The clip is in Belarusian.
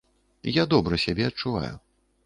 Я добра сябе адчуваю.